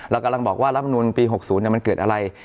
เรากำลังบอกว่าลำนุนปี๖๐เนี่ยมันเกิดอะไร